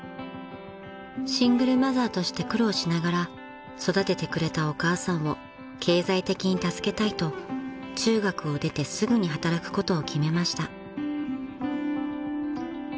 ［シングルマザーとして苦労しながら育ててくれたお母さんを経済的に助けたいと中学を出てすぐに働くことを決めました］